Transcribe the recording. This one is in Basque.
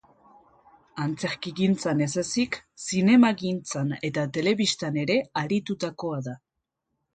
Antzerkigintzan ez ezik, zinemagintzan eta telebistan ere aritutakoa da.